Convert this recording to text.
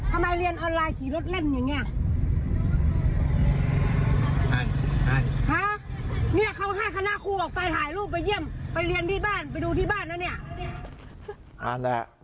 ทำไมเรียนออนไลน์ขี่รถเล่นอย่างนี้